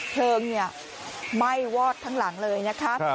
เพลิงไหม้วอดทั้งหลังเลยนะคะ